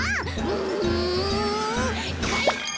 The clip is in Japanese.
うんかいか！